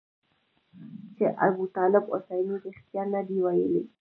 چې ابوطالب حسیني رښتیا نه دي ویلي.